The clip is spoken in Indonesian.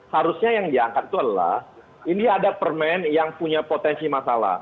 harusnya yang diangkat itu adalah ini ada permen yang punya potensi masalah